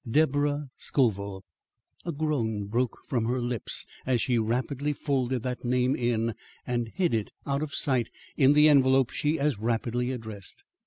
Deborah Scoville! A groan broke from her lips as she rapidly folded that name in, and hid it out of sight in the envelope she as rapidly addressed.